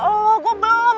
oh gue belum